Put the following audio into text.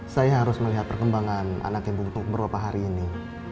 saya harus melihat perkembangan anak yang butuh beberapa hari ini